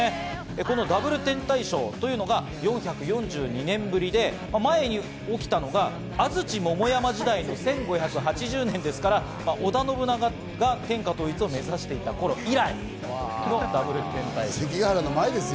このダブル天体ショーというのが４４２年ぶりで、前に起きたのが安土桃山時代の１５８０年ですから織田信長が天下統一を目指していた頃以来の天体ショーです。